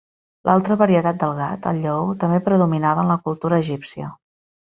L'altra varietat del gat, el lleó, també predominava en la cultura egípcia.